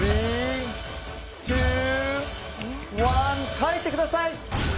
書いてください！